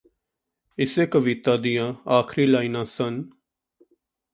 ਇਸੇ ਕਵਿਤਾ ਦੀਆਂ ਆਖਰੀ ਲਾਈਨਾਂ ਸਨ